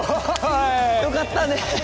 よかったね！